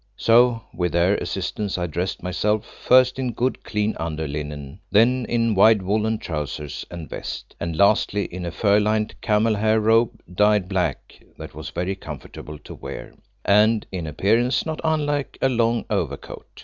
So with their assistance I dressed myself, first in good, clean under linen, then in wide woollen trousers and vest, and lastly in a fur lined camel hair robe dyed black that was very comfortable to wear, and in appearance not unlike a long overcoat.